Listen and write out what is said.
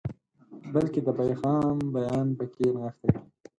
بلکې د پیغام بیان پکې نغښتی وي.